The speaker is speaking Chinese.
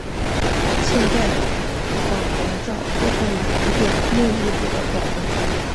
现在的宝龙罩脱胎于古典木艺品的宝笼。